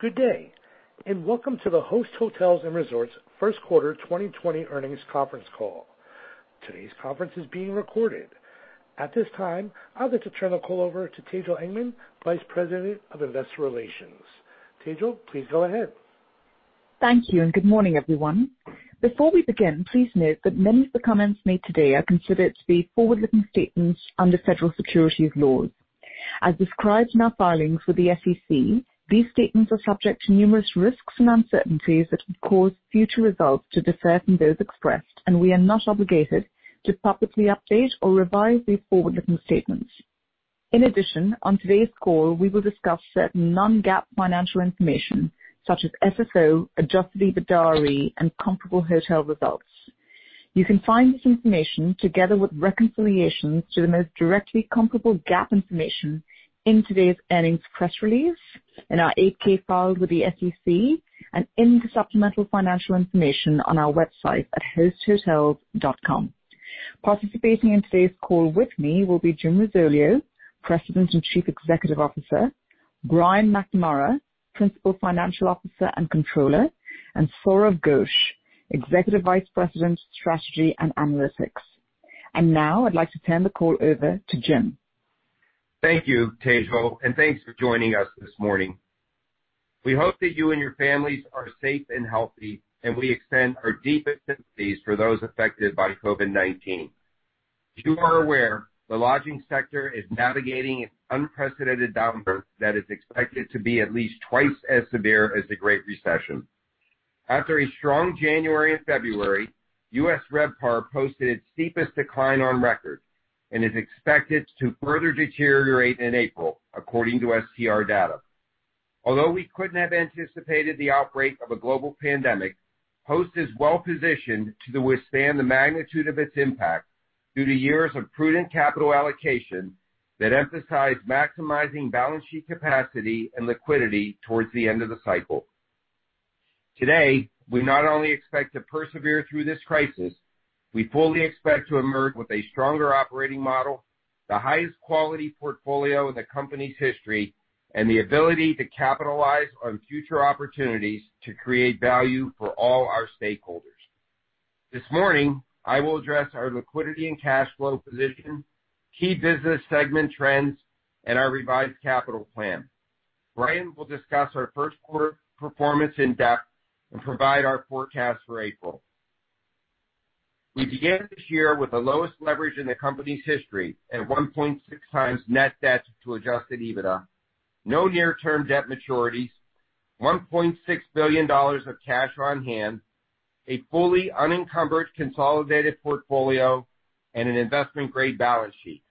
Good day, welcome to the Host Hotels & Resorts First Quarter 2020 Earnings Conference Call. Today's conference is being recorded. At this time, I'd like to turn the call over to Tejal Engman, Vice President of Investor Relations. Tejal, please go ahead. Thank you, and good morning, everyone. Before we begin, please note that many of the comments made today are considered to be forward-looking statements under federal securities laws. As described in our filings with the SEC, these statements are subject to numerous risks and uncertainties that could cause future results to differ from those expressed, and we are not obligated to publicly update or revise these forward-looking statements. In addition, on today's call, we will discuss certain non-GAAP financial information such as SSO, Adjusted EBITDAre, and comparable hotel results. You can find this information together with reconciliations to the most directly comparable GAAP information in today's earnings press release, in our 8-K filed with the SEC, and in the supplemental financial information on our website at hosthotels.com. Participating in today's call with me will be Jim Risoleo, President and Chief Executive Officer, Brian McNamara, Principal Financial Officer and Controller, and Sourav Ghosh, Executive Vice President, Strategy and Analytics. Now I'd like to turn the call over to Jim. Thank you, Tejal. Thanks for joining us this morning. We hope that you and your families are safe and healthy, and we extend our deepest sympathies for those affected by COVID-19. You are aware the lodging sector is navigating an unprecedented downturn that is expected to be at least twice as severe as the Great Recession. After a strong January and February, U.S. RevPAR posted its steepest decline on record and is expected to further deteriorate in April, according to STR data. Although we couldn't have anticipated the outbreak of a global pandemic, Host is well-positioned to withstand the magnitude of its impact due to years of prudent capital allocation that emphasized maximizing balance sheet capacity and liquidity towards the end of the cycle. Today, we not only expect to persevere through this crisis, we fully expect to emerge with a stronger operating model, the highest quality portfolio in the company's history, and the ability to capitalize on future opportunities to create value for all our stakeholders. This morning, I will address our liquidity and cash flow position, key business segment trends, and our revised capital plan. Brian will discuss our first quarter performance in depth and provide our forecast for April. We began this year with the lowest leverage in the company's history at 1.6 times net debt to Adjusted EBITDAre, no near-term debt maturities, $1.6 billion of cash on hand, a fully unencumbered consolidated portfolio, and an investment-grade balance sheet.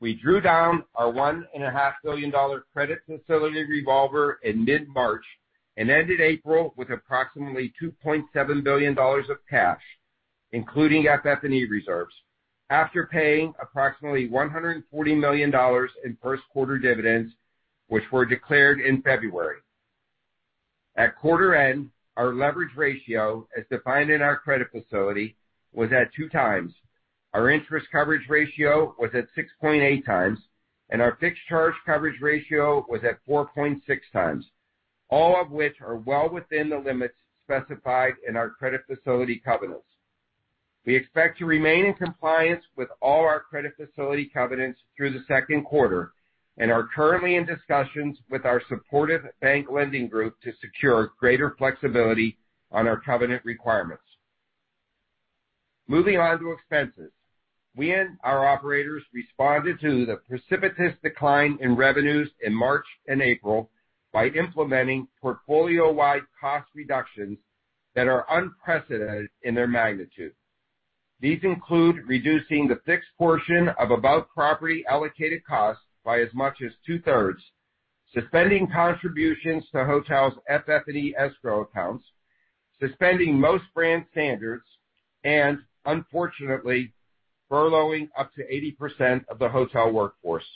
We drew down our one and a half billion dollar credit facility revolver in mid-March and ended April with approximately $2.7 billion of cash, including FF&E reserves, after paying approximately $140 million in first quarter dividends, which were declared in February. At quarter end, our leverage ratio, as defined in our credit facility, was at 2x. Our interest coverage ratio was at 6.8x, and our fixed charge coverage ratio was at 4.6x, all of which are well within the limits specified in our credit facility covenants. We expect to remain in compliance with all our credit facility covenants through the second quarter and are currently in discussions with our supportive bank lending group to secure greater flexibility on our covenant requirements. Moving on to expenses. We and our operators responded to the precipitous decline in revenues in March and April by implementing portfolio-wide cost reductions that are unprecedented in their magnitude. These include reducing the fixed portion of above property allocated costs by as much as two-thirds, suspending contributions to hotels' FF&E escrow accounts, suspending most brand standards, and unfortunately, furloughing up to 80% of the hotel workforce.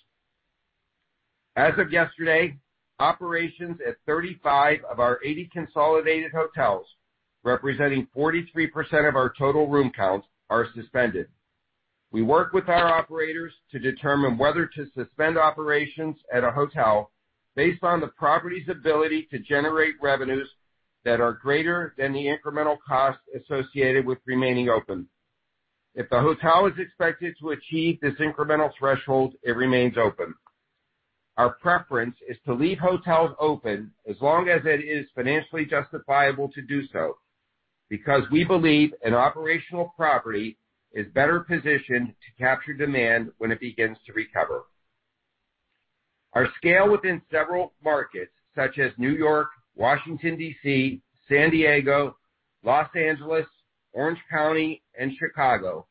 As of yesterday, operations at 35 of our 80 consolidated hotels, representing 43% of our total room count, are suspended. We work with our operators to determine whether to suspend operations at a hotel based on the property's ability to generate revenues that are greater than the incremental cost associated with remaining open. If the hotel is expected to achieve this incremental threshold, it remains open. Our preference is to leave hotels open as long as it is financially justifiable to do so, because we believe an operational property is better positioned to capture demand when it begins to recover. Our scale within several markets such as New York, Washington, D.C., San Diego, Los Angeles, Orange County, and Chicago,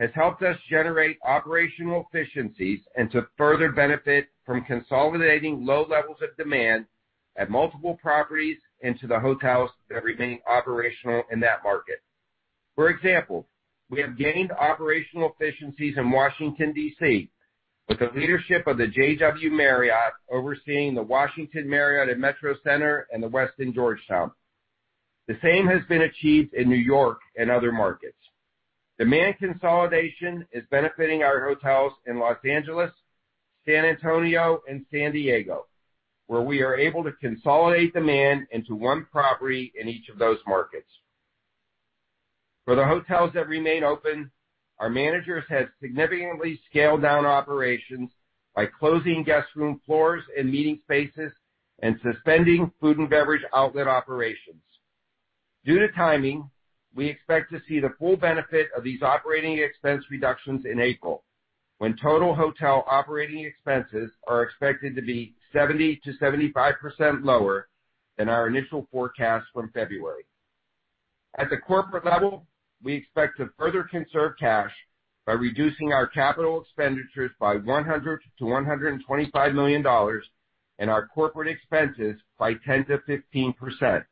has helped us generate operational efficiencies and to further benefit from consolidating low levels of demand at multiple properties into the hotels that remain operational in that market. For example, we have gained operational efficiencies in Washington, D.C., with the leadership of the JW Marriott overseeing the Washington Marriott at Metro Center and the Westin Georgetown. The same has been achieved in New York and other markets. Demand consolidation is benefiting our hotels in Los Angeles, San Antonio, and San Diego, where we are able to consolidate demand into one property in each of those markets. For the hotels that remain open, our managers have significantly scaled down operations by closing guest room floors and meeting spaces and suspending food and beverage outlet operations. Due to timing, we expect to see the full benefit of these operating expense reductions in April, when total hotel operating expenses are expected to be 70%-75% lower than our initial forecast from February. At the corporate level, we expect to further conserve cash by reducing our capital expenditures by $100 million-$125 million and our corporate expenses by 10%-15%.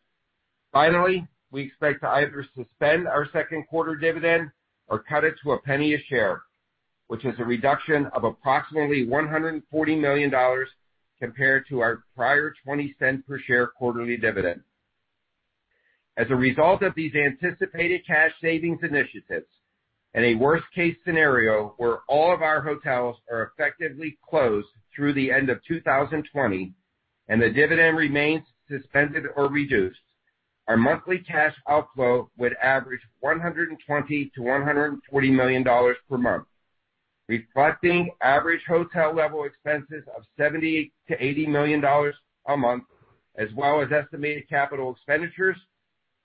Finally, we expect to either suspend our second quarter dividend or cut it to a penny a share, which is a reduction of approximately $140 million compared to our prior $0.20 per share quarterly dividend. As a result of these anticipated cash savings initiatives, in a worst-case scenario where all of our hotels are effectively closed through the end of 2020 and the dividend remains suspended or reduced, our monthly cash outflow would average $120 million-$140 million per month, reflecting average hotel level expenses of $70 million-$80 million a month, as well as estimated capital expenditures,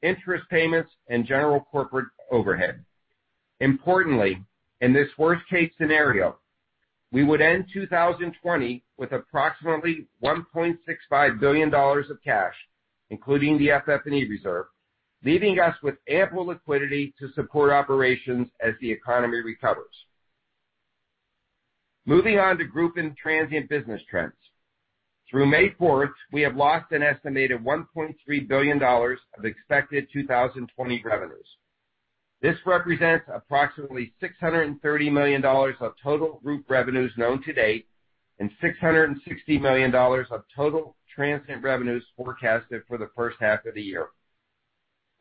interest payments, and general corporate overhead. Importantly, in this worst-case scenario, we would end 2020 with approximately $1.65 billion of cash, including the FF&E reserve, leaving us with ample liquidity to support operations as the economy recovers. Moving on to group and transient business trends. Through May fourth, we have lost an estimated $1.3 billion of expected 2020 revenues. This represents approximately $630 million of total group revenues known to date, and $660 million of total transient revenues forecasted for the first half of the year.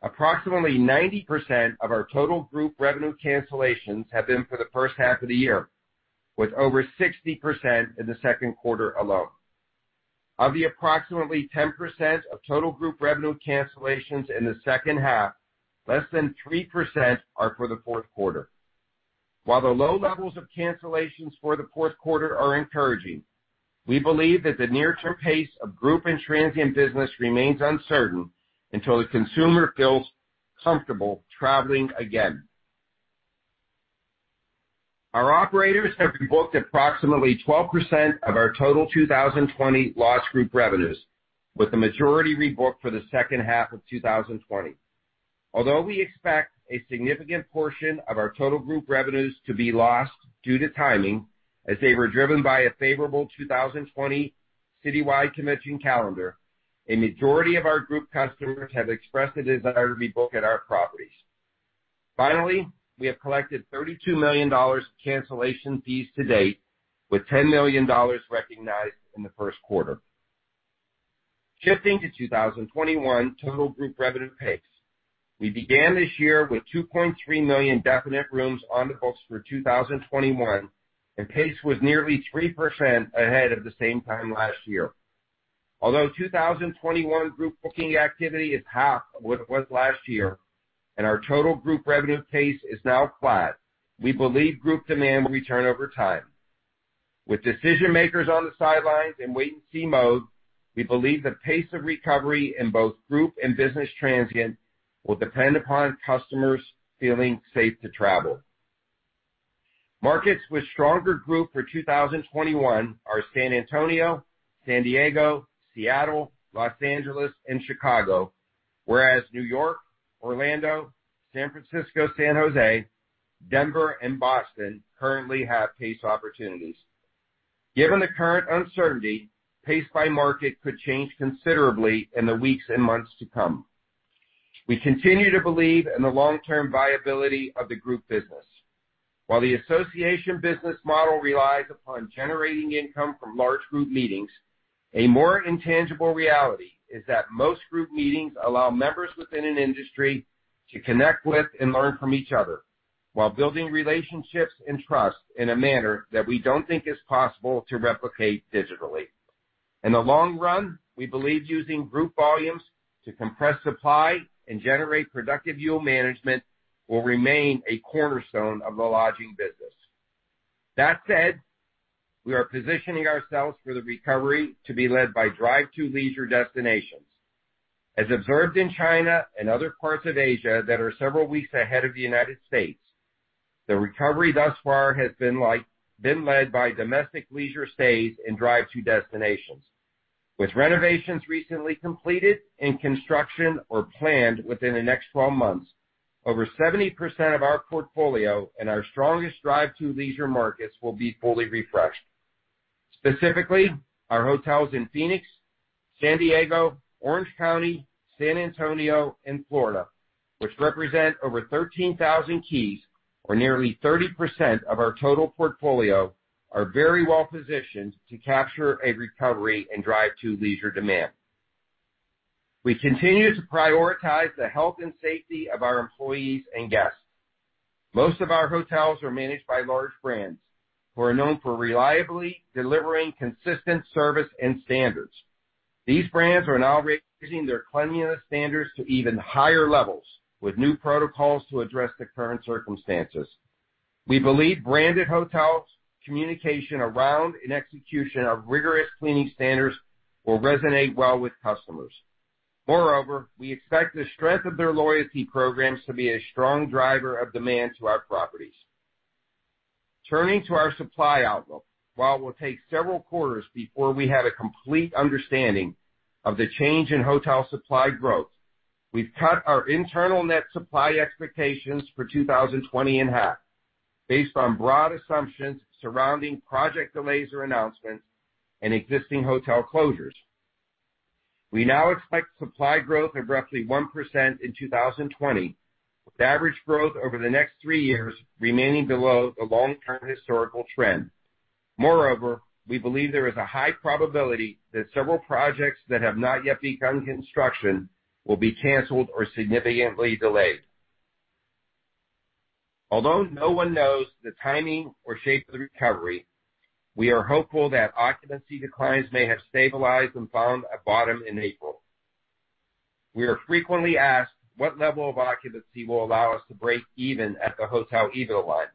Approximately 90% of our total group revenue cancellations have been for the first half of the year, with over 60% in the second quarter alone. Of the approximately 10% of total group revenue cancellations in the second half, less than 3% are for the fourth quarter. While the low levels of cancellations for the fourth quarter are encouraging, we believe that the near-term pace of group and transient business remains uncertain until the consumer feels comfortable traveling again. Our operators have rebooked approximately 12% of our total 2020 lost group revenues, with the majority rebooked for the second half of 2020. Although we expect a significant portion of our total group revenues to be lost due to timing as they were driven by a favorable 2020 citywide convention calendar, a majority of our group customers have expressed a desire to rebook at our properties. We have collected $32 million of cancellation fees to date, with $10 million recognized in the first quarter. Shifting to 2021 total group revenue pace. We began this year with 2.3 million definite rooms on the books for 2021, and pace was nearly 3% ahead of the same time last year. Although 2021 group booking activity is half of what it was last year and our total group revenue pace is now flat, we believe group demand will return over time. With decision makers on the sidelines in wait-and-see mode, we believe the pace of recovery in both group and business transient will depend upon customers feeling safe to travel. Markets with stronger group for 2021 are San Antonio, San Diego, Seattle, Los Angeles, and Chicago, whereas New York, Orlando, San Francisco, San Jose, Denver, and Boston currently have pace opportunities. Given the current uncertainty, pace by market could change considerably in the weeks and months to come. We continue to believe in the long-term viability of the group business. While the association business model relies upon generating income from large group meetings, a more intangible reality is that most group meetings allow members within an industry to connect with and learn from each other while building relationships and trust in a manner that we don't think is possible to replicate digitally. In the long run, we believe using group volumes to compress supply and generate productive yield management will remain a cornerstone of the lodging business. That said, we are positioning ourselves for the recovery to be led by drive to leisure destinations. As observed in China and other parts of Asia that are several weeks ahead of the United States, the recovery thus far has been led by domestic leisure stays and drive to destinations. With renovations recently completed and construction or planned within the next 12 months, over 70% of our portfolio in our strongest drive to leisure markets will be fully refreshed. Specifically, our hotels in Phoenix, San Diego, Orange County, San Antonio, and Florida, which represent over 13,000 keys or nearly 30% of our total portfolio, are very well positioned to capture a recovery and drive to leisure demand. We continue to prioritize the health and safety of our employees and guests. Most of our hotels are managed by large brands who are known for reliably delivering consistent service and standards. These brands are now raising their cleanliness standards to even higher levels with new protocols to address the current circumstances. We believe branded hotels communication around and execution of rigorous cleaning standards will resonate well with customers. Moreover, we expect the strength of their loyalty programs to be a strong driver of demand to our properties. Turning to our supply outlook. While it will take several quarters before we have a complete understanding of the change in hotel supply growth, we've cut our internal net supply expectations for 2020 in half based on broad assumptions surrounding project delays or announcements and existing hotel closures. We now expect supply growth of roughly 1% in 2020, with average growth over the next 3 years remaining below the long-term historical trend. Moreover, we believe there is a high probability that several projects that have not yet begun construction will be canceled or significantly delayed. Although no one knows the timing or shape of the recovery, we are hopeful that occupancy declines may have stabilized and found a bottom in April. We are frequently asked what level of occupancy will allow us to break even at the hotel EBIT line.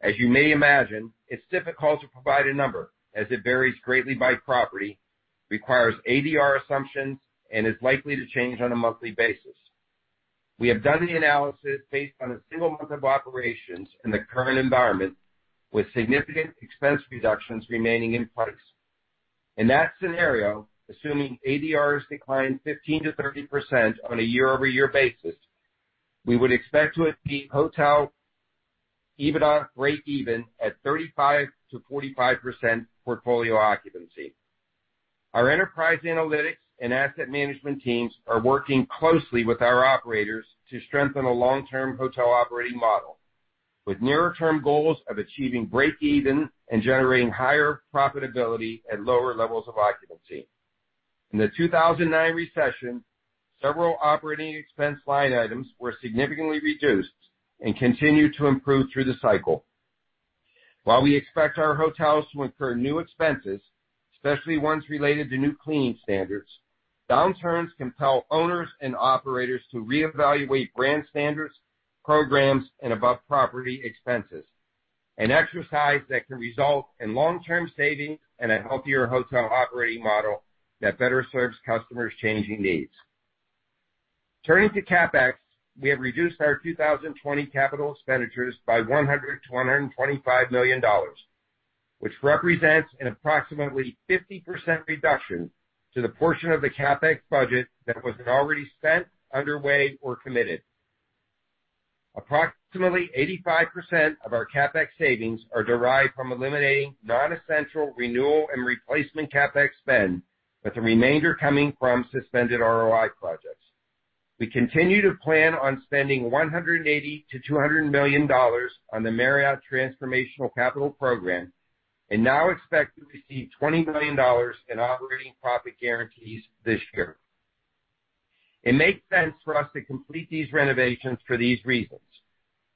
As you may imagine, it's difficult to provide a number as it varies greatly by property, requires ADR assumptions, and is likely to change on a monthly basis. We have done the analysis based on a single month of operations in the current environment, with significant expense reductions remaining in place. In that scenario, assuming ADRs decline 15%-30% on a year-over-year basis, we would expect to hit the Hotel EBITDA break even at 35%-45% portfolio occupancy. Our enterprise analytics and asset management teams are working closely with our operators to strengthen a long-term hotel operating model, with nearer term goals of achieving break even and generating higher profitability at lower levels of occupancy. In the 2009 recession, several operating expense line items were significantly reduced and continued to improve through the cycle. While we expect our hotels to incur new expenses, especially ones related to new clean standards, downturns compel owners and operators to reevaluate brand standards, programs, and above property expenses, an exercise that can result in long-term savings and a healthier hotel operating model that better serves customers' changing needs. Turning to CapEx, we have reduced our 2020 capital expenditures by $100 million-$125 million, which represents an approximately 50% reduction to the portion of the CapEx budget that wasn't already spent, underway, or committed. Approximately 85% of our CapEx savings are derived from eliminating non-essential renewal and replacement CapEx spend, with the remainder coming from suspended ROI projects. We continue to plan on spending $180 million-$200 million on the Marriott Transformational Capital Program, and now expect to receive $20 million in operating profit guarantees this year. It makes sense for us to complete these renovations for these reasons.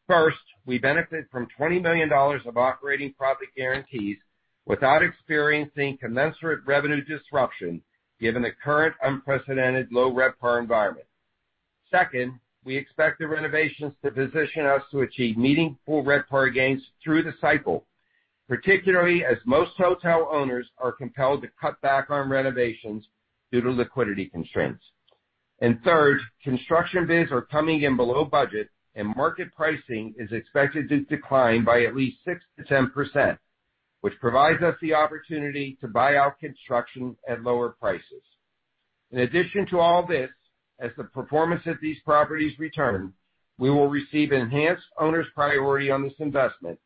First, we benefit from $20 million of operating profit guarantees without experiencing commensurate revenue disruption given the current unprecedented low RevPAR environment. Second, we expect the renovations to position us to achieve meaningful RevPAR gains through the cycle, particularly as most hotel owners are compelled to cut back on renovations due to liquidity constraints. Third, construction bids are coming in below budget and market pricing is expected to decline by at least 6%-10%, which provides us the opportunity to buy out construction at lower prices. In addition to all this, as the performance of these properties return, we will receive enhanced owner's priority on this investment,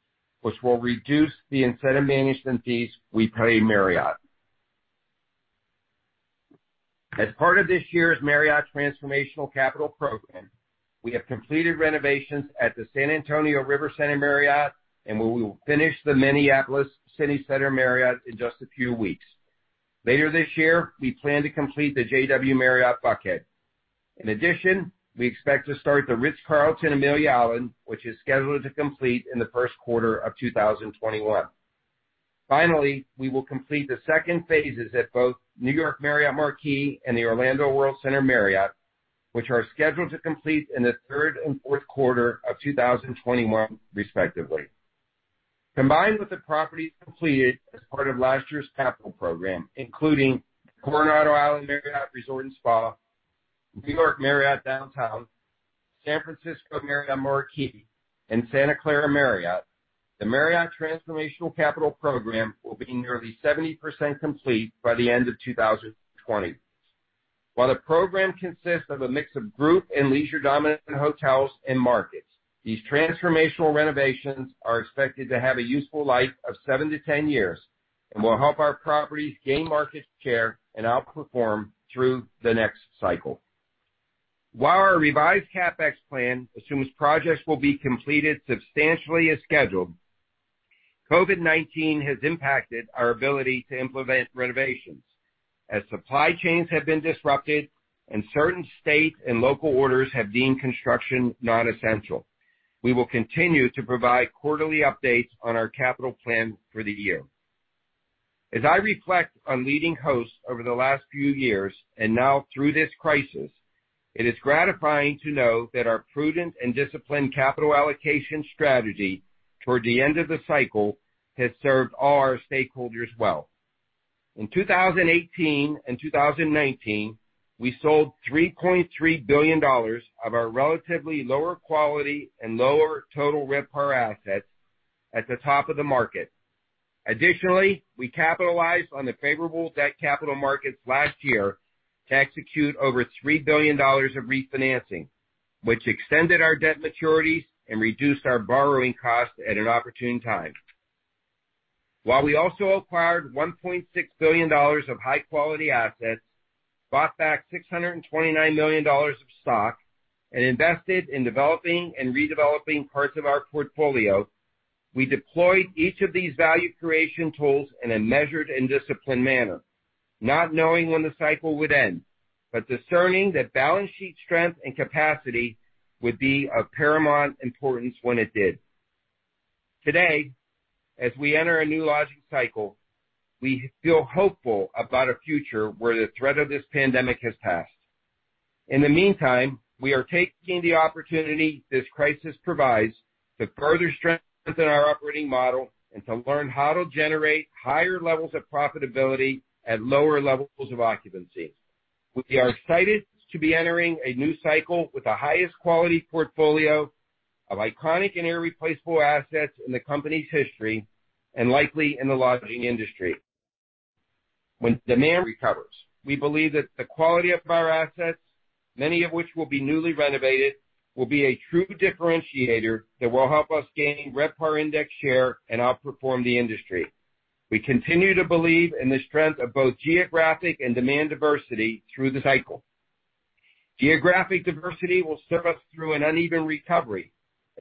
which will reduce the incentive management fees we pay Marriott. As part of this year's Marriott Transformational Capital Program, we have completed renovations at the San Antonio Marriott Rivercenter, and we will finish the Minneapolis Marriott City Center in just a few weeks. Later this year, we plan to complete the JW Marriott Buckhead. We expect to start The Ritz-Carlton Amelia Island, which is scheduled to complete in the first quarter of 2021. We will complete the second phases at both New York Marriott Marquis and the Orlando World Center Marriott, which are scheduled to complete in the third and fourth quarter of 2021, respectively. Combined with the properties completed as part of last year's capital program, including Coronado Island Marriott Resort and Spa, New York Marriott Downtown, San Francisco Marriott Marquis, and Santa Clara Marriott, the Marriott Transformational Capital Program will be nearly 70% complete by the end of 2020. While the program consists of a mix of group and leisure-dominant hotels and markets, these transformational renovations are expected to have a useful life of 7-10 years and will help our properties gain market share and outperform through the next cycle. While our revised CapEx plan assumes projects will be completed substantially as scheduled, COVID-19 has impacted our ability to implement renovations as supply chains have been disrupted and certain state and local orders have deemed construction non-essential. We will continue to provide quarterly updates on our capital plan for the year. As I reflect on leading Host over the last few years, and now through this crisis, it is gratifying to know that our prudent and disciplined capital allocation strategy toward the end of the cycle has served our stakeholders well. In 2018 and 2019, we sold $3.3 billion of our relatively lower quality and lower Total RevPAR assets at the top of the market. Additionally, we capitalized on the favorable debt capital markets last year to execute over $3 billion of refinancing, which extended our debt maturities and reduced our borrowing costs at an opportune time. We also acquired $1.6 billion of high-quality assets, bought back $629 million of stock, and invested in developing and redeveloping parts of our portfolio. We deployed each of these value creation tools in a measured and disciplined manner, not knowing when the cycle would end, but discerning that balance sheet strength and capacity would be of paramount importance when it did. Today, as we enter a new lodging cycle, we feel hopeful about a future where the threat of this pandemic has passed. In the meantime, we are taking the opportunity this crisis provides to further strengthen our operating model and to learn how to generate higher levels of profitability at lower levels of occupancy. We are excited to be entering a new cycle with the highest quality portfolio of iconic and irreplaceable assets in the company's history and likely in the lodging industry. When demand recovers, we believe that the quality of our assets, many of which will be newly renovated, will be a true differentiator that will help us gain RevPAR index share and outperform the industry. We continue to believe in the strength of both geographic and demand diversity through the cycle. Geographic diversity will serve us through an uneven recovery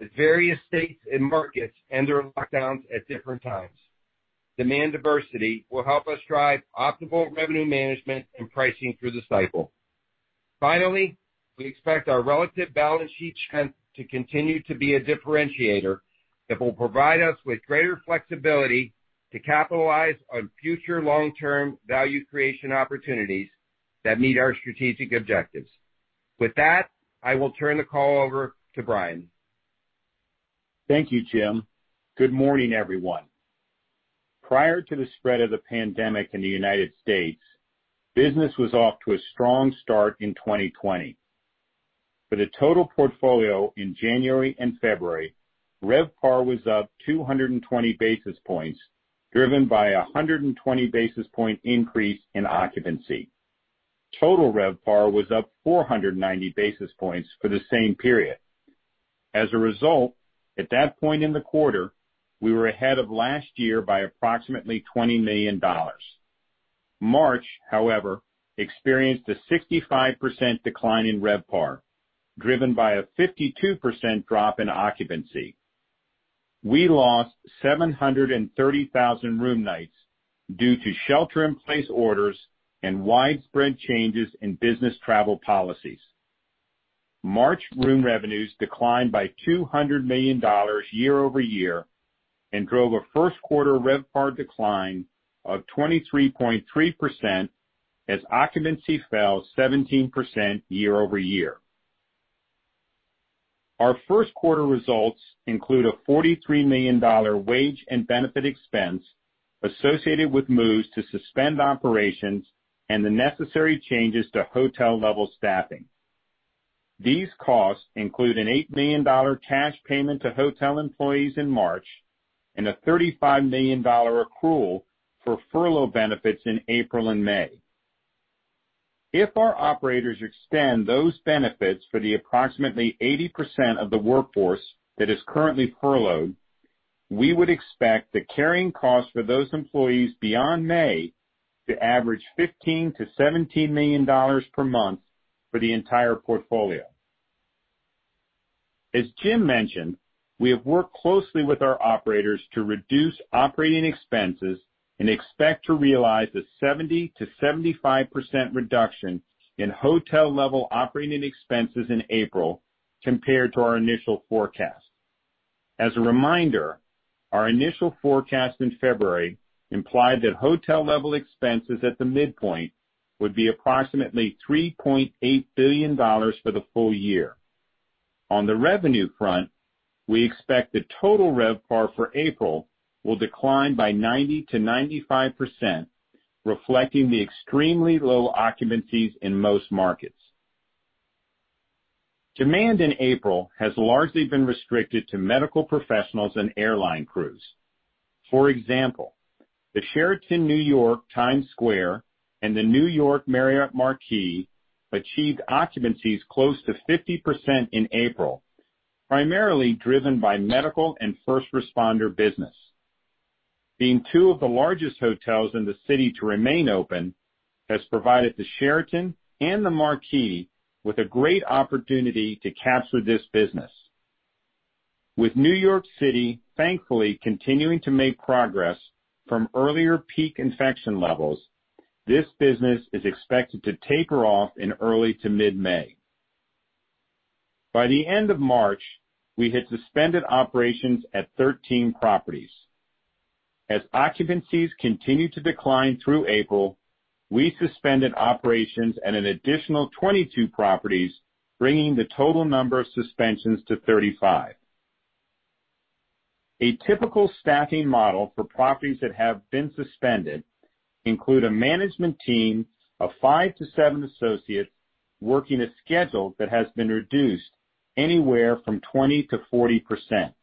as various states and markets end their lockdowns at different times. Demand diversity will help us drive optimal revenue management and pricing through the cycle. Finally, we expect our relative balance sheet strength to continue to be a differentiator that will provide us with greater flexibility to capitalize on future long-term value creation opportunities that meet our strategic objectives. With that, I will turn the call over to Brian. Thank you, Jim. Good morning, everyone. Prior to the spread of the pandemic in the United States, business was off to a strong start in 2020. For the total portfolio in January and February, RevPAR was up 220 basis points, driven by a 120 basis point increase in occupancy. Total RevPAR was up 490 basis points for the same period. As a result, at that point in the quarter, we were ahead of last year by approximately $20 million. March, however, experienced a 65% decline in RevPAR, driven by a 52% drop in occupancy. We lost 730,000 room nights due to shelter-in-place orders and widespread changes in business travel policies. March room revenues declined by $200 million year-over-year and drove a first quarter RevPAR decline of 23.3% as occupancy fell 17% year-over-year. Our first quarter results include a $43 million wage and benefit expense associated with moves to suspend operations and the necessary changes to hotel level staffing. These costs include an $8 million cash payment to hotel employees in March and a $35 million accrual for furlough benefits in April and May. If our operators extend those benefits for the approximately 80% of the workforce that is currently furloughed, we would expect the carrying cost for those employees beyond May to average $15 million-$17 million per month for the entire portfolio. As Jim mentioned, we have worked closely with our operators to reduce operating expenses and expect to realize a 70%-75% reduction in hotel-level operating expenses in April compared to our initial forecast. As a reminder, our initial forecast in February implied that hotel-level expenses at the midpoint would be approximately $3.8 billion for the full year. On the revenue front, we expect the total RevPAR for April will decline by 90%-95%, reflecting the extremely low occupancies in most markets. Demand in April has largely been restricted to medical professionals and airline crews. For example, the Sheraton New York Times Square and the New York Marriott Marquis achieved occupancies close to 50% in April, primarily driven by medical and first responder business. Being two of the largest hotels in the city to remain open has provided the Sheraton and the Marquis with a great opportunity to capture this business. With New York City thankfully continuing to make progress from earlier peak infection levels, this business is expected to taper off in early to mid-May. By the end of March, we had suspended operations at 13 properties. As occupancies continued to decline through April, we suspended operations at an additional 22 properties, bringing the total number of suspensions to 35. A typical staffing model for properties that have been suspended include a management team of 5-7 associates working a schedule that has been reduced anywhere from 20%-40%.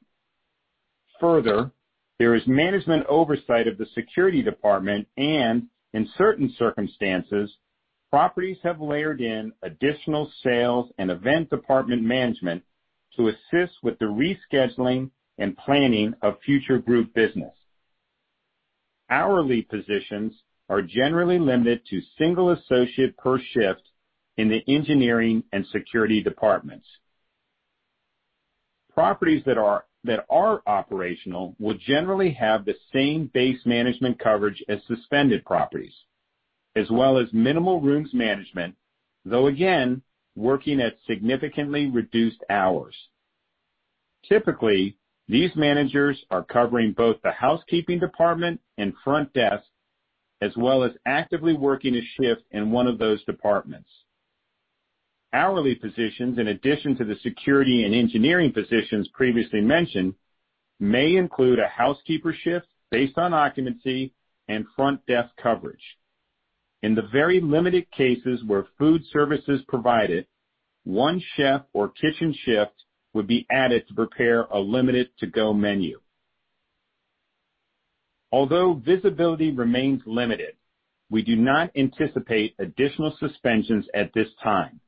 Further, there is management oversight of the security department and in certain circumstances, properties have layered in additional sales and event department management to assist with the rescheduling and planning of future group business. Hourly positions are generally limited to single associate per shift in the engineering and security departments. Properties that are operational will generally have the same base management coverage as suspended properties, as well as minimal rooms management, though again working at significantly reduced hours. Typically, these managers are covering both the housekeeping department and front desk, as well as actively working a shift in one of those departments. Hourly positions, in addition to the security and engineering positions previously mentioned, may include a housekeeper shift based on occupancy and front desk coverage. In the very limited cases where food service is provided, one chef or kitchen shift would be added to prepare a limited to-go menu. Although visibility remains limited, we do not anticipate additional suspensions at this time.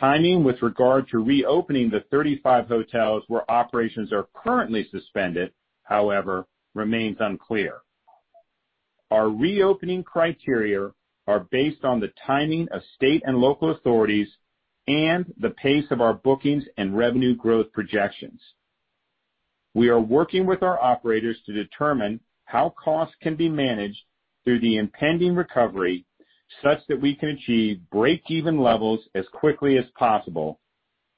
Timing with regard to reopening the 35 hotels where operations are currently suspended, however, remains unclear. Our reopening criteria are based on the timing of state and local authorities and the pace of our bookings and revenue growth projections. We are working with our operators to determine how costs can be managed through the impending recovery such that we can achieve break-even levels as quickly as possible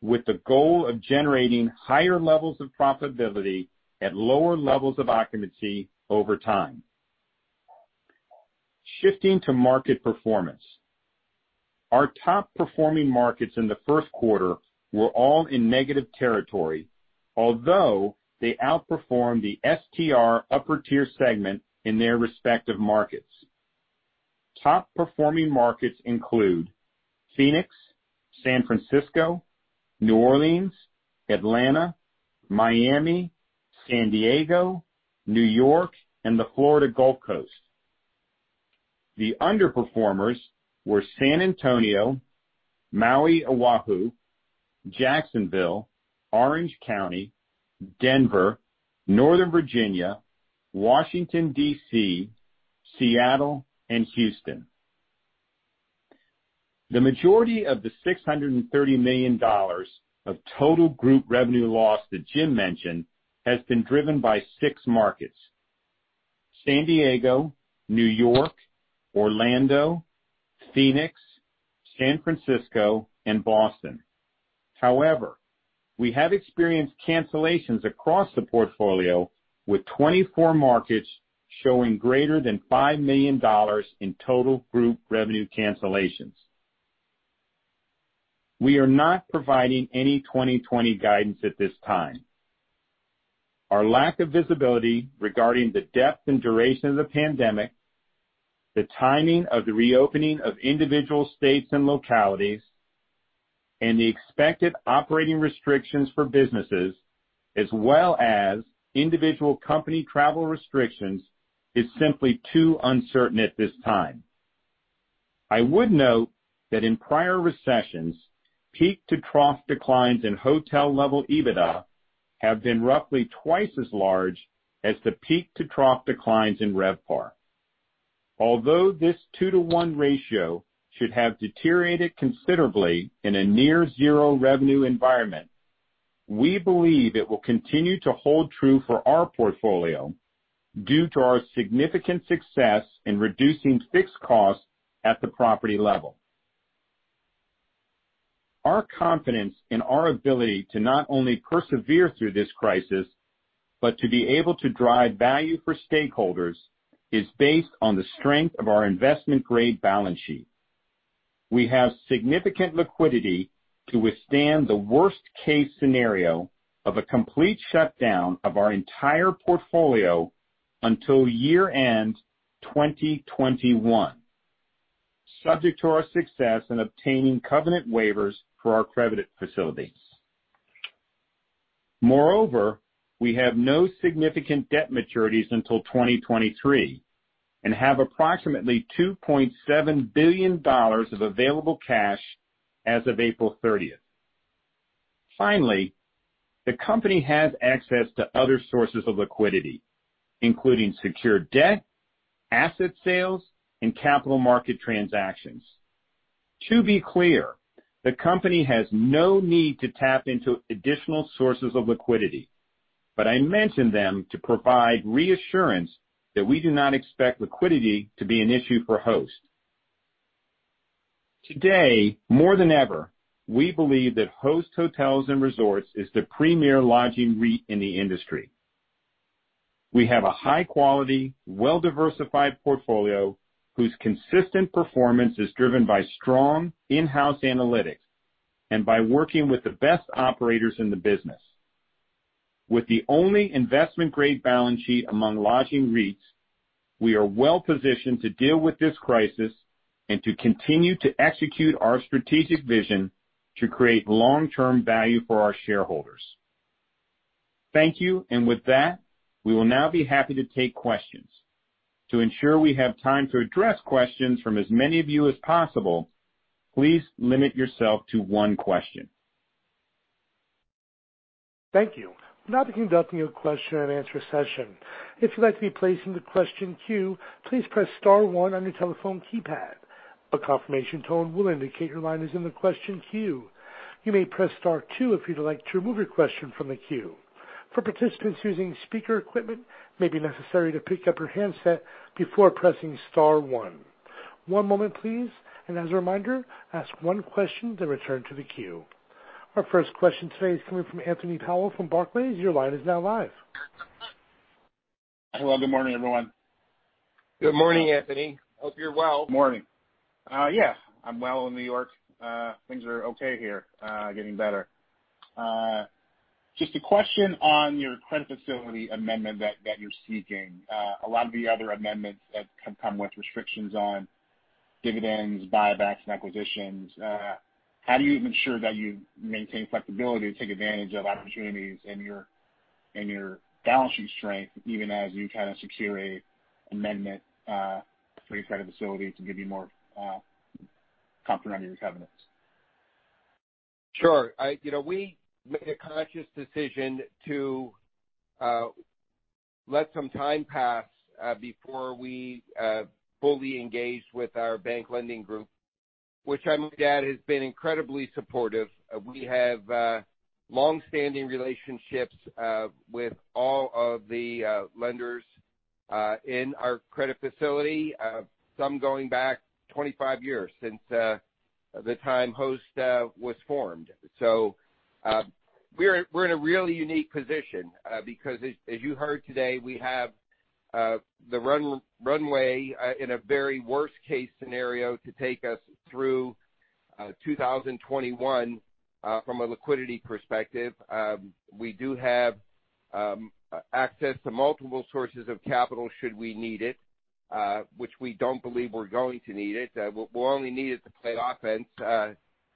with the goal of generating higher levels of profitability at lower levels of occupancy over time. Shifting to market performance. Our top performing markets in the first quarter were all in negative territory, although they outperformed the STR upper-tier segment in their respective markets. Top performing markets include Phoenix, San Francisco, New Orleans, Atlanta, Miami, San Diego, New York, and the Florida Gulf Coast. The underperformers were San Antonio, Maui, Oahu, Jacksonville, Orange County, Denver, Northern Virginia, Washington, D.C., Seattle, and Houston. The majority of the $630 million of total group revenue loss that Jim mentioned has been driven by six markets: San Diego, New York, Orlando, Phoenix, San Francisco, and Boston. However, we have experienced cancellations across the portfolio, with 24 markets showing greater than $5 million in total group revenue cancellations. We are not providing any 2020 guidance at this time. Our lack of visibility regarding the depth and duration of the pandemic, the timing of the reopening of individual states and localities, and the expected operating restrictions for businesses, as well as individual company travel restrictions, is simply too uncertain at this time. I would note that in prior recessions, peak-to-trough declines in hotel-level EBITDA have been roughly twice as large as the peak-to-trough declines in RevPAR. Although this two-to-one ratio should have deteriorated considerably in a near zero revenue environment, we believe it will continue to hold true for our portfolio due to our significant success in reducing fixed costs at the property level. Our confidence in our ability to not only persevere through this crisis, but to be able to drive value for stakeholders, is based on the strength of our investment-grade balance sheet. We have significant liquidity to withstand the worst-case scenario of a complete shutdown of our entire portfolio until year-end. 2021, subject to our success in obtaining covenant waivers for our credit facilities. We have no significant debt maturities until 2023 and have approximately $2.7 billion of available cash as of April 30th. The company has access to other sources of liquidity, including secured debt, asset sales, and capital market transactions. To be clear, the company has no need to tap into additional sources of liquidity, but I mention them to provide reassurance that we do not expect liquidity to be an issue for Host. Today, more than ever, we believe that Host Hotels & Resorts is the premier lodging REIT in the industry. We have a high quality, well-diversified portfolio whose consistent performance is driven by strong in-house analytics and by working with the best operators in the business. With the only investment-grade balance sheet among lodging REITs, we are well positioned to deal with this crisis and to continue to execute our strategic vision to create long-term value for our shareholders. Thank you. With that, we will now be happy to take questions. To ensure we have time to address questions from as many of you as possible, please limit yourself to one question. Thank you. We'll now be conducting a question-and-answer session. If you'd like to be placed in the question queue, please press star one on your telephone keypad. A confirmation tone will indicate your line is in the question queue. You may press star two if you'd like to remove your question from the queue. For participants using speaker equipment, it may be necessary to pick up your handset before pressing star one. One moment, please. As a reminder, ask one question, then return to the queue. Our first question today is coming from Anthony Powell from Barclays. Your line is now live. Hello, good morning, everyone. Good morning, Anthony. Hope you're well. Morning. Yeah, I'm well in New York. Things are okay here, getting better. Just a question on your credit facility amendment that you're seeking. A lot of the other amendments that can come with restrictions on dividends, buybacks, and acquisitions. How do you ensure that you maintain flexibility to take advantage of opportunities in your balance sheet strength, even as you kind of secure a amendment, for your credit facility to give you more comfort under your covenants? Sure. You know, we made a conscious decision to let some time pass before we fully engaged with our bank lending group, which I might add has been incredibly supportive. We have long-standing relationships with all of the lenders in our credit facility, some going back 25 years since the time Host was formed. We're in a really unique position because as you heard today, we have the runway in a very worst case scenario to take us through 2021 from a liquidity perspective. We do have access to multiple sources of capital should we need it, which we don't believe we're going to need it. it to play offense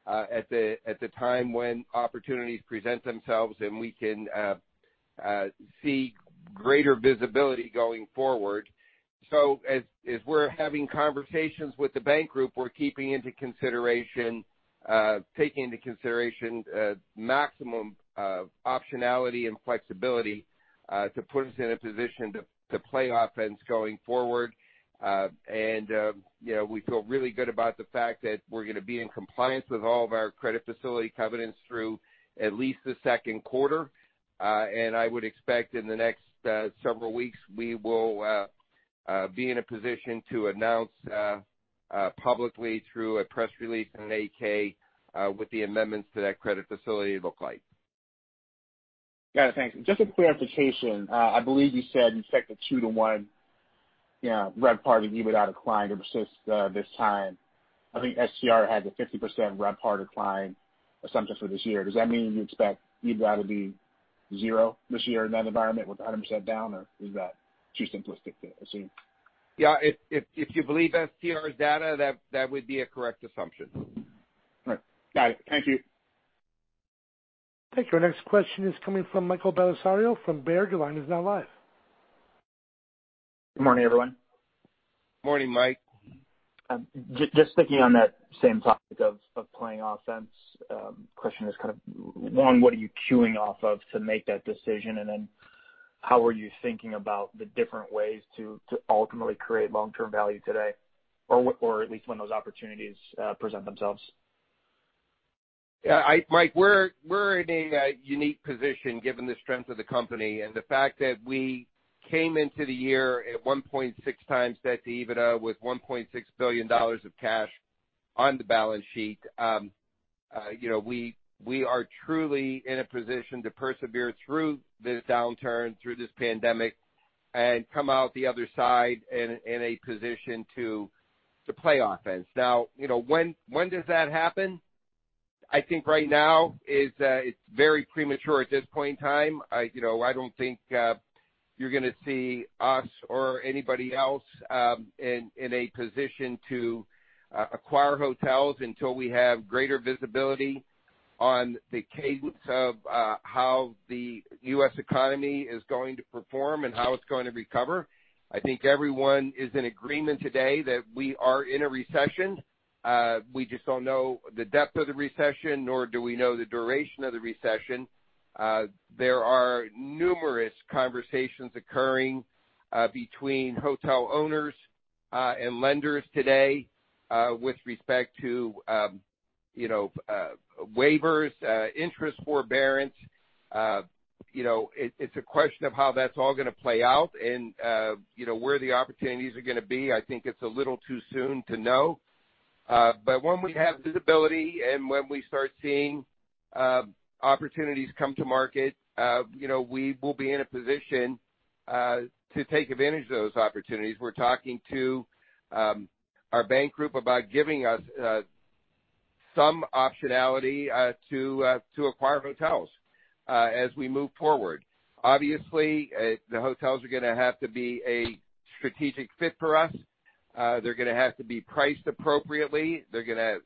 at the time when opportunities present themselves and we can see greater visibility going forward. As we're having conversations with the bank group, we're keeping into consideration, taking into consideration, maximum optionality and flexibility to put us in a position to play offense going forward. And, you know, we feel really good about the fact that we're going to be in compliance with all of our credit facility covenants through at least the second quarter. And I would expect in the next several weeks, we will be in a position to announce publicly through a press release and an 8-K what the amendments to that credit facility look like. Got it. Thanks. Just a clarification. I believe you said you expect a 2 to 1, you know, RevPAR to EBITDA to decline or persist this time. I think STR has a 50% RevPAR decline assumption for this year. Does that mean you expect EBITDA to be zero this year in that environment with a 100% down, or is that too simplistic to assume? Yeah. If you believe STR's data, that would be a correct assumption. All right. Got it. Thank you. Thank you. Our next question is coming from Michael Bellisario from Baird. Your line is now live. Good morning, everyone. Morning, Mike. Just sticking on that same topic of playing offense, question is kind of, one, what are you queuing off of to make that decision? How are you thinking about the different ways to ultimately create long-term value today or at least when those opportunities present themselves? Yeah, Mike, we're in a unique position given the strength of the company and the fact that we came into the year at 1.6 times that to EBITDA with $1.6 billion of cash on the balance sheet. You know, we are truly in a position to persevere through this downturn, through this pandemic and come out the other side in a position to play offense. When does that happen? I think right now is very premature at this point in time. I, you know, I don't think you're gonna see us or anybody else in a position to acquire hotels until we have greater visibility on the cadence of how the U.S. economy is going to perform and how it's going to recover. I think everyone is in agreement today that we are in a recession. We just don't know the depth of the recession, nor do we know the duration of the recession. There are numerous conversations occurring between hotel owners and lenders today with respect to, you know, waivers, interest forbearance. You know, it's a question of how that's all gonna play out and, you know, where the opportunities are gonna be. I think it's a little too soon to know. When we have visibility and when we start seeing opportunities come to market, you know, we will be in a position to take advantage of those opportunities. We're talking to our bank group about giving us some optionality to acquire hotels as we move forward. Obviously, the hotels are gonna have to be a strategic fit for us. They're gonna have to be priced appropriately. They're gonna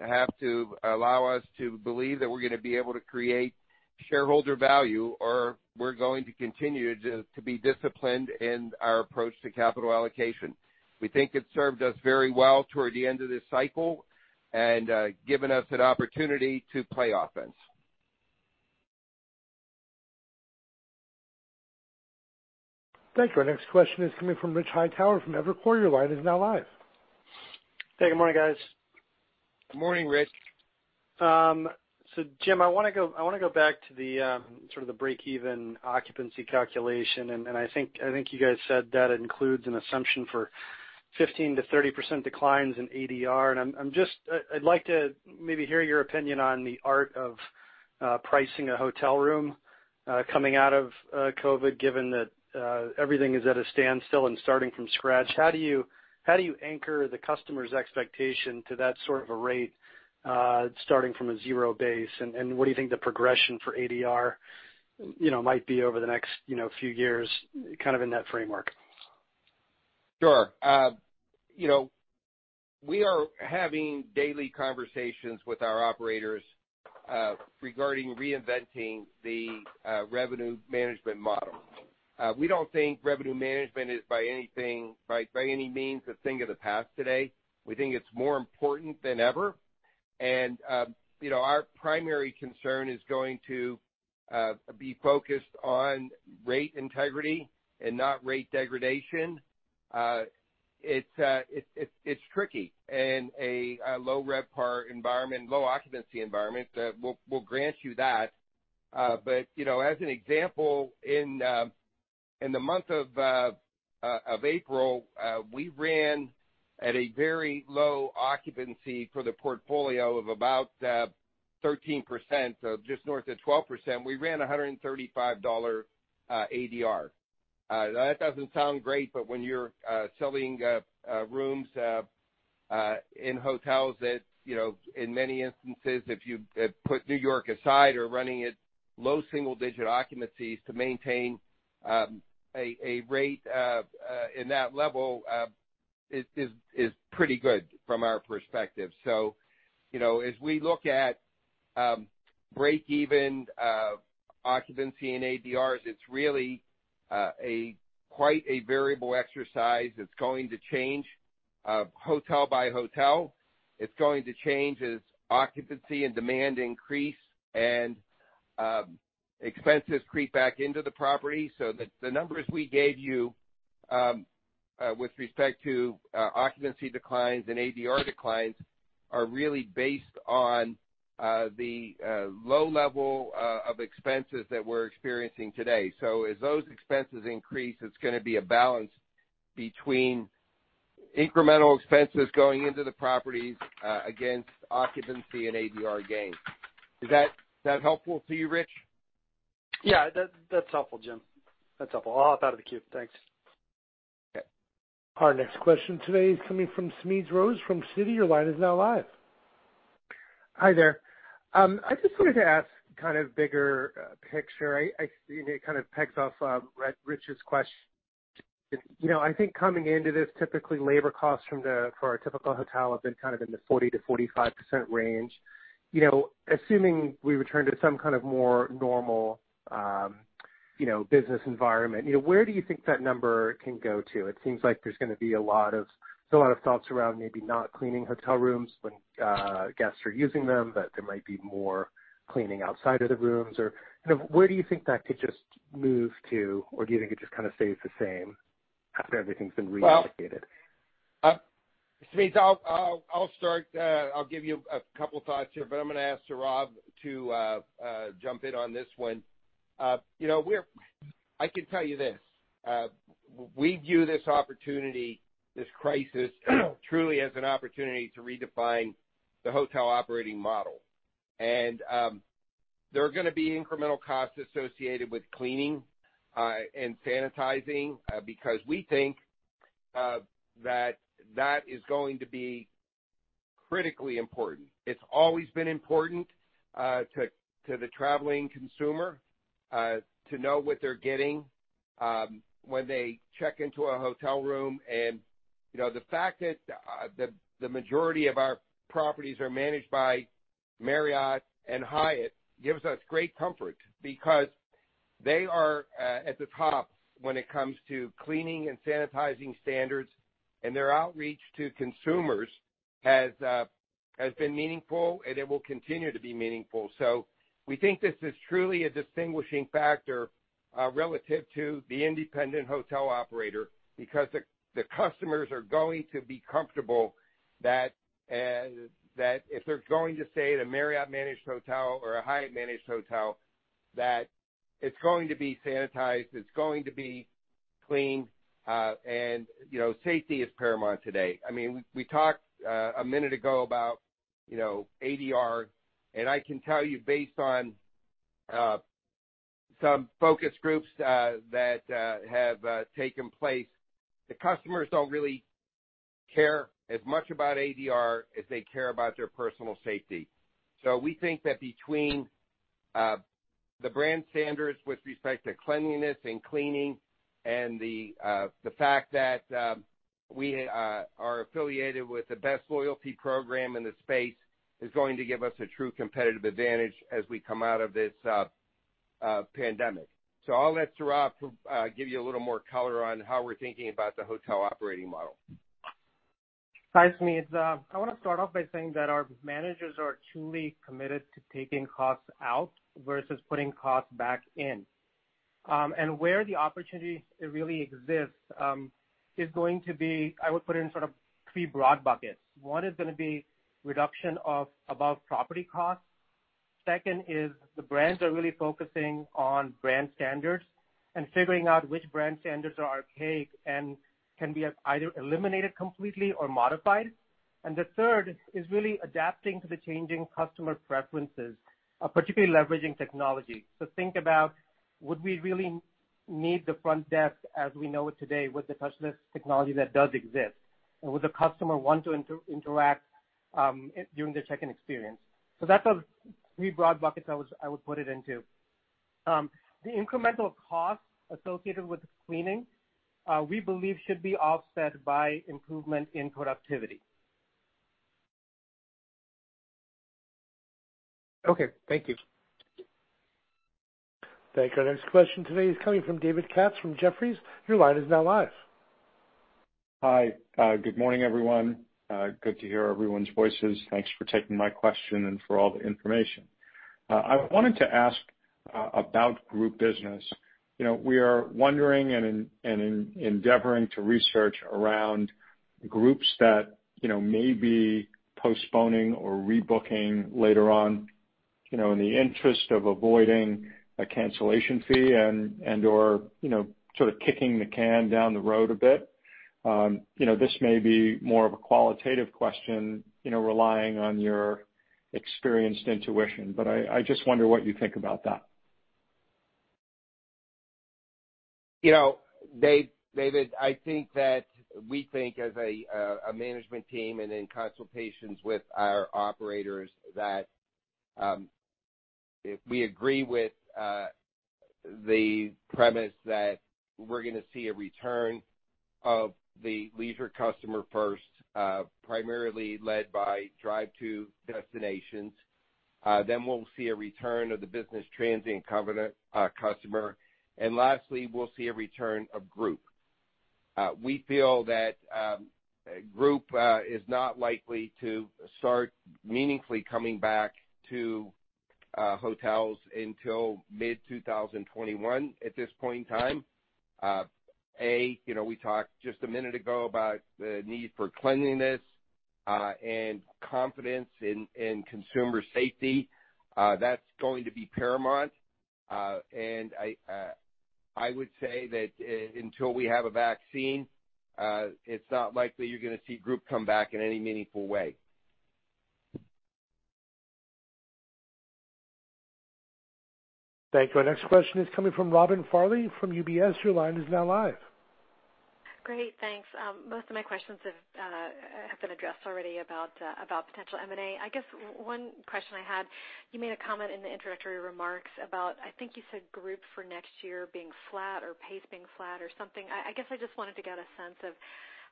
have to allow us to believe that we're gonna be able to create shareholder value, or we're going to continue to be disciplined in our approach to capital allocation. We think it's served us very well toward the end of this cycle and given us an opportunity to play offense. Thank you. Our next question is coming from Rich Hightower from Evercore. Your line is now live. Hey, good morning, guys. Good morning, Rich. Jim, I wanna go back to the sort of the break-even occupancy calculation, and I think you guys said that includes an assumption for 15%-30% declines in ADR. I'm just, I'd like to maybe hear your opinion on the art of pricing a hotel room coming out of COVID, given that everything is at a standstill and starting from scratch. How do you anchor the customer's expectation to that sort of a rate starting from a zero base? What do you think the progression for ADR, you know, might be over the next, you know, few years kind of in that framework? Sure. You know, we are having daily conversations with our operators regarding reinventing the revenue management model. We don't think revenue management is by any means a thing of the past today. We think it's more important than ever. You know, our primary concern is going to be focused on rate integrity and not rate degradation. It's tricky in a low RevPAR environment, low occupancy environment, we'll grant you that. You know, as an example, in the month of April, we ran at a very low occupancy for the portfolio of about 13%. Just north of 12%. We ran a $135 ADR. That doesn't sound great, but when you're selling rooms in hotels that, you know, in many instances, if you put New York aside or running at low single-digit occupancies to maintain a rate in that level is pretty good from our perspective. You know, as we look at break-even occupancy and ADRs, it's really a quite a variable exercise. It's going to change hotel by hotel. It's going to change as occupancy and demand increase and expenses creep back into the property. The numbers we gave you with respect to occupancy declines and ADR declines are really based on the low level of expenses that we're experiencing today. As those expenses increase, it's gonna be a balance between incremental expenses going into the properties, against occupancy and ADR gain. Is that helpful to you, Rich? Yeah. That's helpful, Jim. That's helpful. I'll hop out of the queue. Thanks. Okay. Our next question today is coming from Smedes Rose from Citi. Your line is now live. Hi there. I just wanted to ask kind of bigger picture. I, you know, it kind of pegs off Rich's question. You know, I think coming into this, typically labor costs for a typical hotel have been kind of in the 40%-45% range. You know, assuming we return to some kind of more normal, you know, business environment, you know, where do you think that number can go to? It seems like there's a lot of thoughts around maybe not cleaning hotel rooms when guests are using them, but there might be more cleaning outside of the rooms or, you know, where do you think that could just move to, or do you think it just kind of stays the same after everything's been reallocated? Well, Smedes, I'll start. I'll give you a couple thoughts here, but I'm gonna ask Sourav to jump in on this one. You know, I can tell you this, we view this opportunity, this crisis, truly as an opportunity to redefine the hotel operating model. There are gonna be incremental costs associated with cleaning and sanitizing because we think that is going to be critically important. It's always been important to the traveling consumer to know what they're getting when they check into a hotel room. you know, the fact that the majority of our properties are managed by Marriott and Hyatt gives us great comfort because they are at the top when it comes to cleaning and sanitizing standards, and their outreach to consumers has been meaningful, and it will continue to be meaningful. We think this is truly a distinguishing factor relative to the independent hotel operator because the customers are going to be comfortable that if they're going to stay at a Marriott-managed hotel or a Hyatt-managed hotel, that it's going to be sanitized, it's going to be clean. you know, safety is paramount today. I mean, we talked a minute ago about, you know, ADR, and I can tell you based on some focus groups that have taken place, the customers don't really care as much about ADR as they care about their personal safety. We think that between the brand standards with respect to cleanliness and cleaning and the fact that we are affiliated with the best loyalty program in the space is going to give us a true competitive advantage as we come out of this pandemic. I'll let Sourav give you a little more color on how we're thinking about the hotel operating model. Thanks, Smedes. I wanna start off by saying that our managers are truly committed to taking costs out versus putting costs back in. Where the opportunity really exists, is going to be, I would put it in sort of three broad buckets. One is gonna be reduction of above property costs. Second is the brands are really focusing on brand standards and figuring out which brand standards are archaic and can be either eliminated completely or modified. The third is really adapting to the changing customer preferences, particularly leveraging technology. Think about, would we really need the front desk as we know it today with the touchless technology that does exist? Would the customer want to interact during the check-in experience? That's the three broad buckets I would put it into. The incremental cost associated with cleaning, we believe should be offset by improvement in productivity. Okay. Thank you. Thank you. Our next question today is coming from David Katz from Jefferies. Your line is now live. Hi, good morning, everyone. Good to hear everyone's voices. Thanks for taking my question and for all the information. I wanted to ask about group business. You know, we are wondering and endeavoring to research around groups that, you know, may be postponing or rebooking later on, you know, in the interest of avoiding a cancellation fee and/or, you know, sort of kicking the can down the road a bit. You know, this may be more of a qualitative question, you know, relying on your experienced intuition, but I just wonder what you think about that. You know, Dave, David, I think that we think as a management team and in consultations with our operators that if we agree with the premise that we're gonna see a return of the leisure customer first, primarily led by drive-to destinations, then we'll see a return of the business transient covenant customer. Lastly, we'll see a return of group. We feel that group is not likely to start meaningfully coming back to hotels until mid 2021 at this point in time. You know, we talked just a minute ago about the need for cleanliness and confidence in consumer safety. That's going to be paramount. I would say that, until we have a vaccine, it's not likely you're gonna see group come back in any meaningful way. Thank you. Our next question is coming from Robin Farley from UBS. Your line is now live. Great. Thanks. Most of my questions have been addressed already about potential M&A. I guess one question I had, you made a comment in the introductory remarks about, I think you said group for next year being flat or pace being flat or something. I guess I just wanted to get a sense of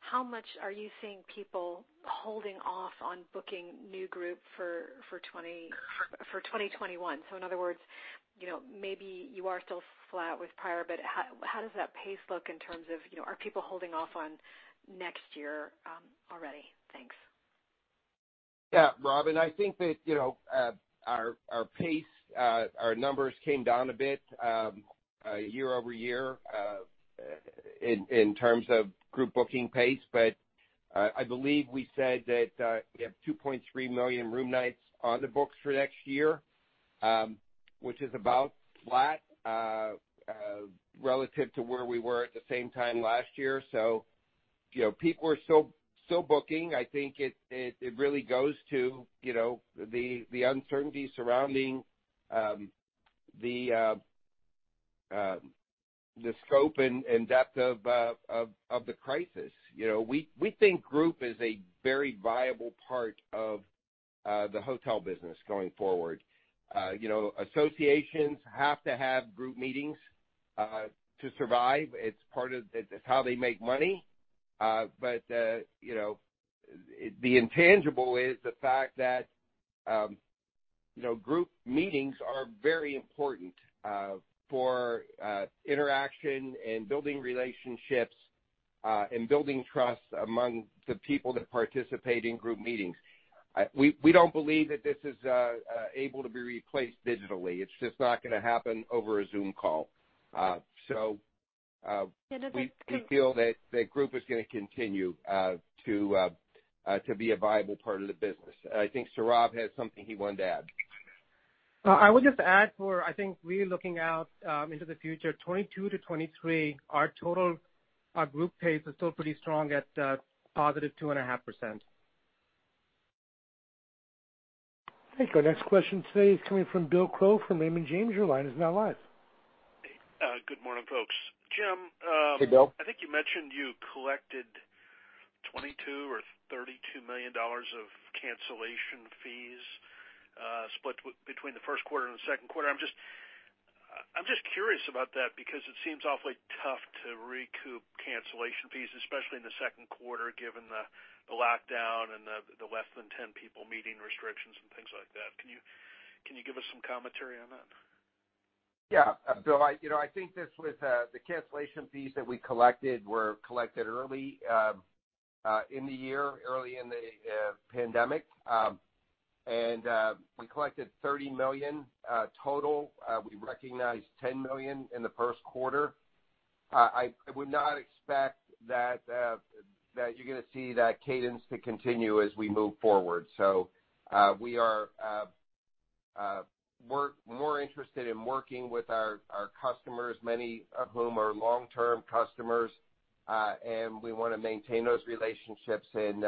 how much are you seeing people holding off on booking new group for 2021. In other words, you know, maybe you are still flat with prior, but how does that pace look in terms of, you know, are people holding off on next year already? Thanks. Yeah, Robin, I think that, you know, our pace, our numbers came down a bit year-over-year in terms of group booking pace. I believe we said that we have 2.3 million room nights on the books for next year, which is about flat relative to where we were at the same time last year. You know, people are still booking. I think it really goes to, you know, the uncertainty surrounding the scope and depth of the crisis. You know, we think group is a very viable part of the hotel business going forward. You know, associations have to have group meetings to survive. It's part of... It's how they make money. You know, the intangible is the fact that, you know, group meetings are very important for interaction and building relationships and building trust among the people that participate in group meetings. We, we don't believe that this is able to be replaced digitally. It's just not gonna happen over a Zoom call. Yeah, that makes sense. we feel that group is gonna continue to be a viable part of the business. I think Saurabh has something he wanted to add. I would just add for, I think we're looking out, into the future 2022-2023, our total group pace is still pretty strong at positive 2.5%. Thank you. Our next question today is coming from Bill Crow from Raymond James. Your line is now live. Good morning, folks. Jim, Hey, Bill. I think you mentioned you collected $22 million or $32 million of cancellation fees, split between the first quarter and the second quarter. I'm just curious about that because it seems awfully tough to recoup cancellation fees, especially in the second quarter, given the lockdown and the less than 10 people meeting restrictions and things like that. Can you give us some commentary on that? Yeah. Bill, I, you know, I think this was the cancellation fees that we collected were collected early in the year, early in the pandemic. We collected $30 million total. We recognized $10 million in the first quarter. I would not expect that you're gonna see that cadence to continue as we move forward. We are more interested in working with our customers, many of whom are long-term customers, and we wanna maintain those relationships and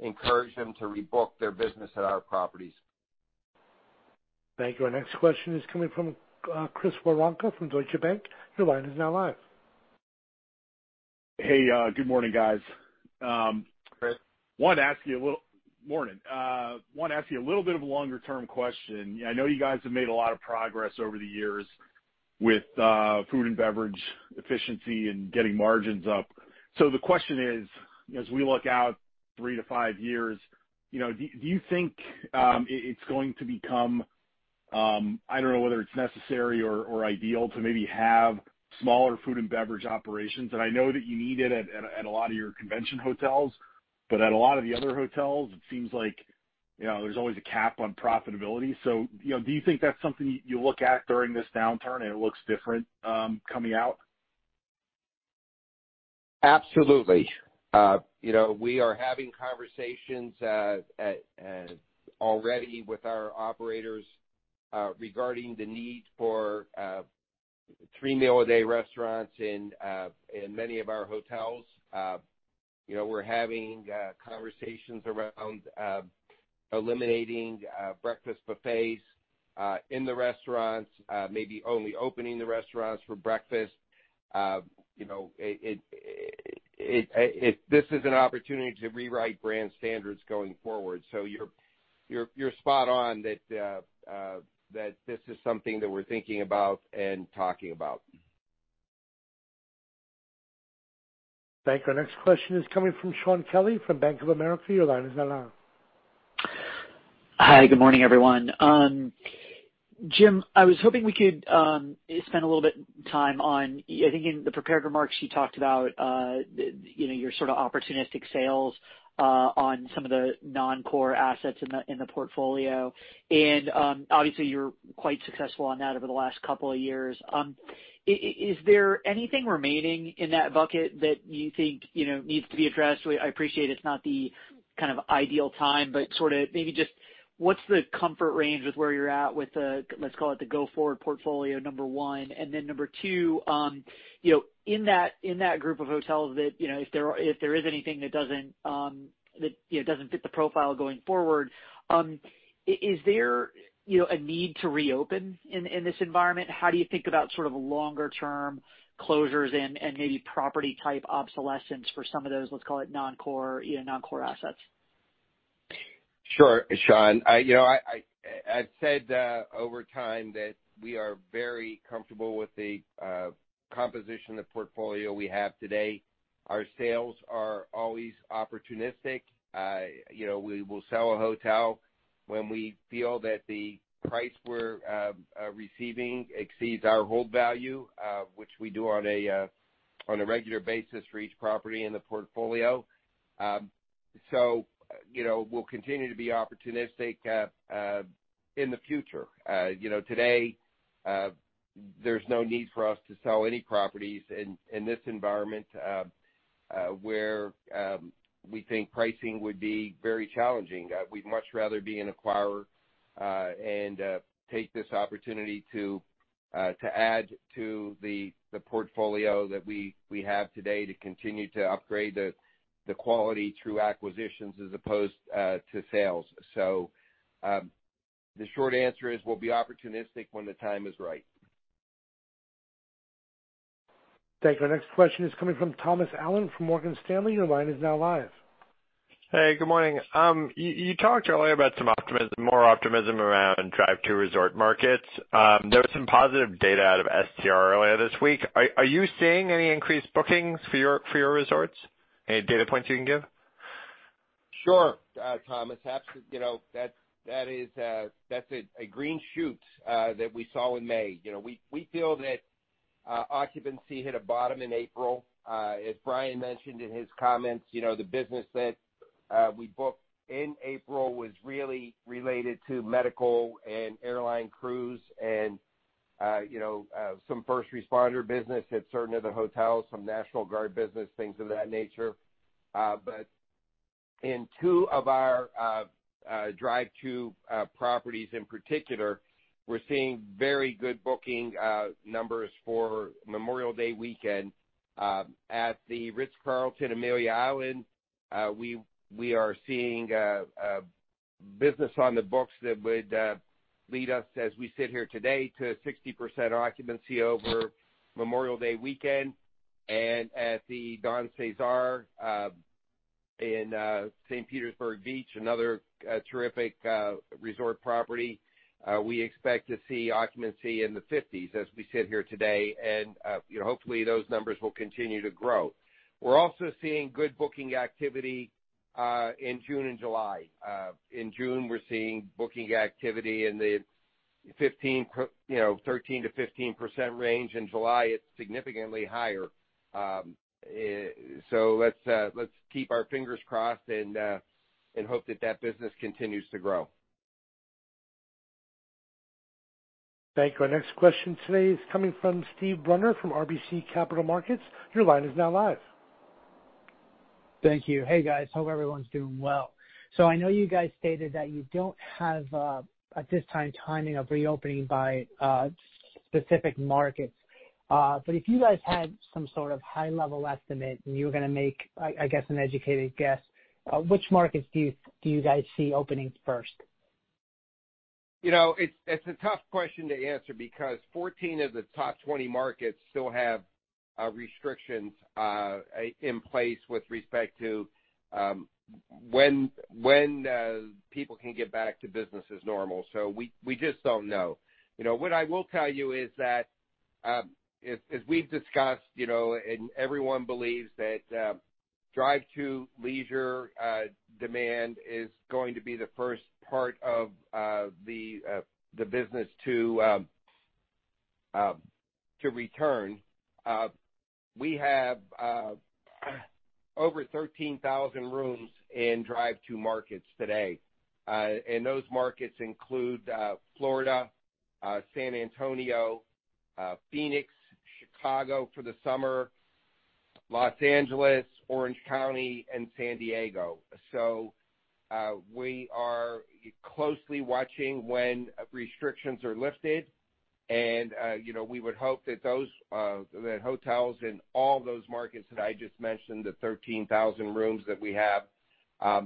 encourage them to rebook their business at our properties. Thank you. Our next question is coming from Chris Woronka from Deutsche Bank. Your line is now live. Hey, good morning, guys. Chris. Morning. Wanted to ask you a little bit of a longer term question. I know you guys have made a lot of progress over the years with food and beverage efficiency and getting margins up. The question is, as we look out 3-5 years, you know, do you think it's going to become, I don't know whether it's necessary or ideal to maybe have smaller food and beverage operations? I know that you need it at a lot of your convention hotels, but at a lot of the other hotels, it seems like, you know, there's always a cap on profitability. You know, do you think that's something you'll look at during this downturn and it looks different coming out? Absolutely. You know, we are having conversations already with our operators regarding the need for three meal a day restaurants in many of our hotels. You know, we're having conversations around eliminating breakfast buffets in the restaurants, maybe only opening the restaurants for breakfast. You know, this is an opportunity to rewrite brand standards going forward. You're spot on that this is something that we're thinking about and talking about. Thank you. Our next question is coming from Shaun Kelley from Bank of America. Your line is now live. Hi, good morning, everyone. Jim, I was hoping we could spend a little bit time on, I think in the prepared remarks, you talked about, you know, your sort of opportunistic sales on some of the non-core assets in the, in the portfolio. Obviously you're quite successful on that over the last couple of years. Is there anything remaining in that bucket that you think, you know, needs to be addressed? I appreciate it's not the kind of ideal time, but sort of maybe just what's the comfort range with where you're at with the, let's call it the go forward portfolio, number one. Number two, you know, in that, in that group of hotels that, you know, if there, if there is anything that doesn't, that, you know, doesn't fit the profile going forward, is there, you know, a need to reopen in this environment? How do you think about sort of longer term closures and maybe property type obsolescence for some of those, let's call it non-core, you know, non-core assets? Sure, Shaun. I, you know, I've said over time that we are very comfortable with the composition of the portfolio we have today. Our sales are always opportunistic. You know, we will sell a hotel when we feel that the price we're receiving exceeds our hold value, which we do on a regular basis for each property in the portfolio. You know, we'll continue to be opportunistic in the future. You know, today, there's no need for us to sell any properties in this environment, where we think pricing would be very challenging. We'd much rather be an acquirer, and take this opportunity to add to the portfolio that we have today to continue to upgrade the quality through acquisitions as opposed to sales. The short answer is we'll be opportunistic when the time is right. Thank you. Our next question is coming from Thomas Allen from Morgan Stanley. Your line is now live. Hey, good morning. You talked earlier about some optimism, more optimism around drive to resort markets. There was some positive data out of STR earlier this week. Are you seeing any increased bookings for your resorts? Any data points you can give? Sure, Thomas. You know, that is, that's a green shoot that we saw in May. You know, we feel that occupancy hit a bottom in April. As Brian mentioned in his comments, you know, the business that we booked in April was really related to medical and airline crews and, you know, some first responder business at certain of the hotels, some National Guard business, things of that nature. But in two of our drive to properties in particular, we're seeing very good booking numbers for Memorial Day weekend. At The Ritz-Carlton Amelia Island, we are seeing business on the books that would lead us as we sit here today to 60% occupancy over Memorial Day weekend. At The Don CeSar, in St. Pete Beach, another terrific resort property, we expect to see occupancy in the 50s as we sit here today. You know, hopefully those numbers will continue to grow. We're also seeing good booking activity in June and July. In June, we're seeing booking activity in the you know, 13%-15% range. In July, it's significantly higher. Let's keep our fingers crossed and hope that that business continues to grow. Thank you. Our next question today is coming from Steve Brenner from RBC Capital Markets. Your line is now live. Thank you. Hey, guys. Hope everyone's doing well. I know you guys stated that you don't have at this time timing of reopening by specific markets. If you guys had some sort of high level estimate and you were gonna make, I guess, an educated guess, which markets do you guys see openings first? You know, it's a tough question to answer because 14 of the top 20 markets still have restrictions in place with respect to when people can get back to business as normal. We just don't know. You know, what I will tell you is that as we've discussed, you know, and everyone believes that drive to leisure demand is going to be the first part of the business to return. We have over 13,000 rooms in drive to markets today. Those markets include Florida, San Antonio, Phoenix, Chicago for the summer, Los Angeles, Orange County and San Diego. We are closely watching when restrictions are lifted and, you know, we would hope that those, the hotels in all those markets that I just mentioned, the 13,000 rooms that we have,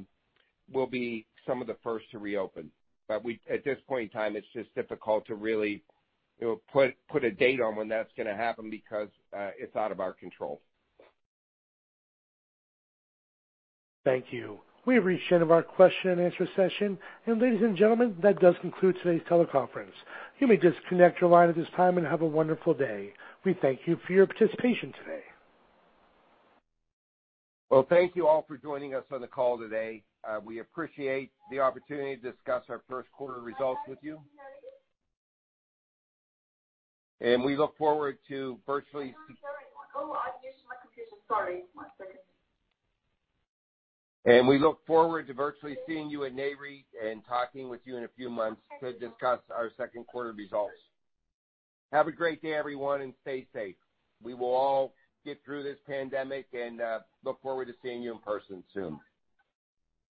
will be some of the first to reopen. At this point in time, it's just difficult to really, you know, put a date on when that's gonna happen because it's out of our control. Thank you. We have reached the end of our question and answer session. Ladies and gentlemen, that does conclude today's teleconference. You may disconnect your line at this time and have a wonderful day. We thank you for your participation today. Well, thank you all for joining us on the call today. We appreciate the opportunity to discuss our first quarter results with you. We look forward to. Sorry, one second. We look forward to virtually seeing you at NAREIT and talking with you in a few months to discuss our second quarter results. Have a great day, everyone, and stay safe. We will all get through this pandemic and look forward to seeing you in person soon.